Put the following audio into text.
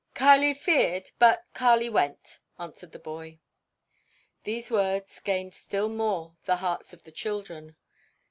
"Kali feared, but Kali went," answered the boy. These words gained still more the hearts of the children.